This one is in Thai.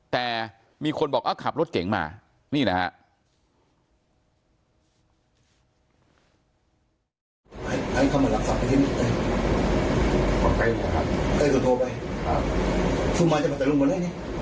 แต่มีคนบอกขับรถเก๋งมานี่นะฮะ